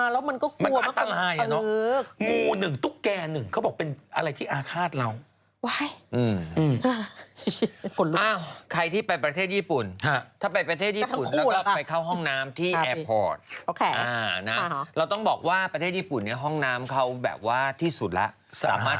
เหมือนมันทำรังอยู่ใต้บ้านเลย